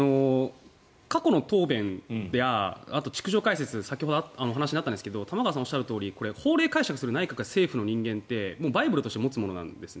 過去の答弁やあと「逐条解説」先ほどお話にあったんですけど玉川さんがおっしゃるとおり法令を解釈する政府の人間ってバイブルとして持つものなんです。